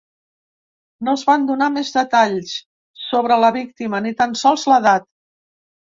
No es van donar més detalls sobre la víctima, ni tan sols l’edat.